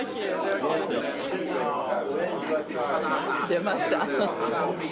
出ました。